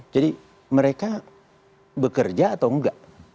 jadi mereka bekerja atau enggak